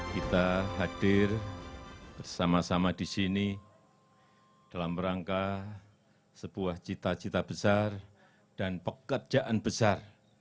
kita hadir bersama sama di sini dalam rangka sebuah cita cita besar dan pekerjaan besar